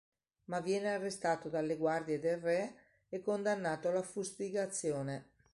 Ma viene arrestato dalle guardie del re e condannato alla fustigazione.